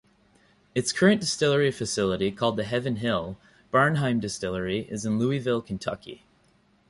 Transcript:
Its current distillery facility, called the Heaven Hill Bernheim distillery, is in Louisville, Kentucky.